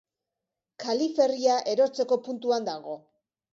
Kaliferria erortzeko puntuan dago.